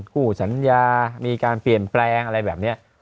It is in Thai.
คู่สัญญามีการเปลี่ยนแปลงอะไรแบบนี้